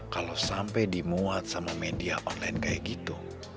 kalau sampai dimuat sama media online kayak gitu